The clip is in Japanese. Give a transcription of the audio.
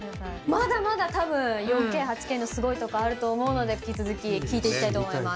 まだまだ多分４Ｋ８Ｋのすごいとこあると思うので引き続き聞いていきたいと思います！